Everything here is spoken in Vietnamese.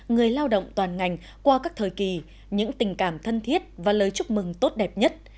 người lao động toàn ngành qua các thời kỳ những tình cảm thân thiết và lời chúc mừng tốt đẹp nhất